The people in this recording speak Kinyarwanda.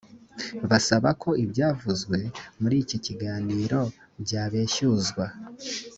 basaba ko ibyavuzwe muri iki kiganiro byabeshyuzwa